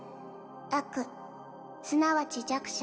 悪すなわち弱者。